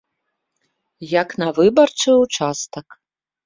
Як на выбарчы ўчастак.